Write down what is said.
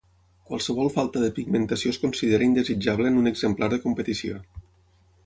Qualsevol falta de pigmentació es considera indesitjable en un exemplar de competició.